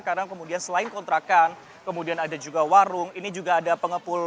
karena kemudian selain kontrakan kemudian ada juga warung ini juga ada pengepul kayu seperti itu